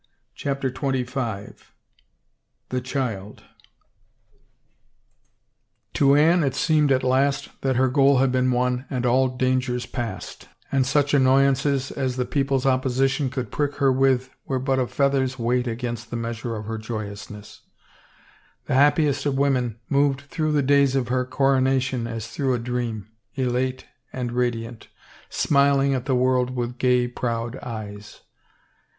" 19 CHAPTER XXV THE CHILD M^^^O Anne it seemed at last that her gpal had been M C^ won and all dangers passed, and such annoy ^^^/ ances as the people's opposition could prick her with were but a feather's weight against the measure of her joyousness. The happiest of women moved through the days of her coronation as through a dream, elate and radiant, smiling at the world with gay, proud eyes.